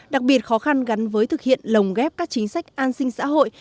đặc biệt khó khăn gắn với thực hiện lồng ghép các chính sách an sinh xã hội